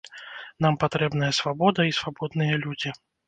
Нам патрэбная свабода і свабодныя людзі.